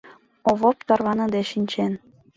Овоп тарваныде шинчен.